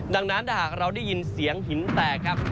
ดังนั้นถ้าหากเราได้ยินเสียงหินแตกครับ